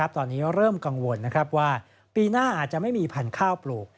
ตอนนี้เริ่มกังวลว่าปีหน้าอาจจะไม่มีพันธุ์ข้าวปลูก